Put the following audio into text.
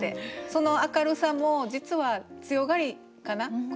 その明るさも実は強がりかな？